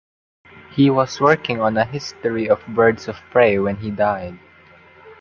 He was working on a "History of Birds of Prey" when he died.